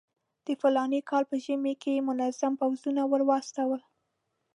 د فلاني کال په ژمي کې یې منظم پوځونه ورواستول.